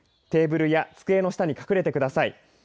テーブルや机の下に隠れてください。